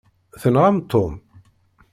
Tenɣam Tom?